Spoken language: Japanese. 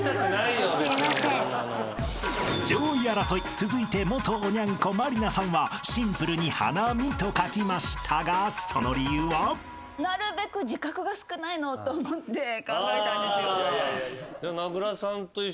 ［上位争い続いて元おニャン子満里奈さんはシンプルに「花見」と書きましたがその理由は？］と思って考えたんですよ。